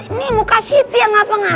ini mau kasih siti yang apa apa